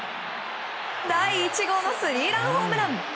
第１号のスリーランホームラン！